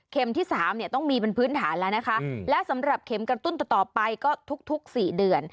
ที่๓เนี่ยต้องมีเป็นพื้นฐานแล้วนะคะและสำหรับเข็มกระตุ้นต่อไปก็ทุก๔เดือน